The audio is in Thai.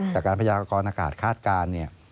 แต่การพยาบาลกรณ์อากาศคาดการณ์